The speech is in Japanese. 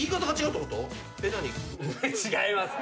違います。